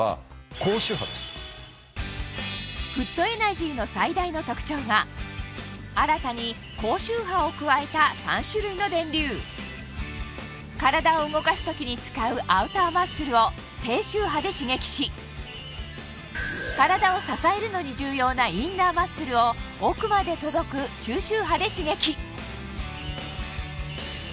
フットエナジーの最大の特徴は新たに高周波を加えた３種類の電流体を動かす時に使うアウターマッスルを低周波で刺激し体を支えるのに重要なインナーマッスルを奥まで届く中周波で刺激